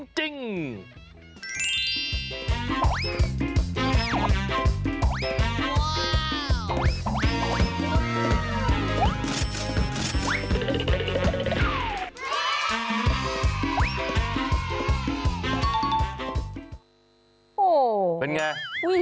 โอ้โหเป็นไง